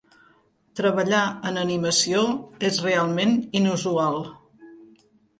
Treballar en animació és realment inusual.